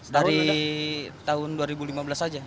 dari tahun dua ribu lima belas saja